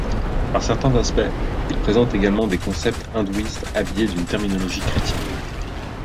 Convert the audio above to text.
Par certains aspects, il présente également des concepts hindouistes habillés d'une terminologie chrétienne.